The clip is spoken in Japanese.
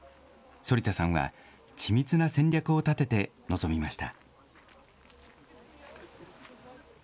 反田さんは、緻密な戦略を立てて臨みました。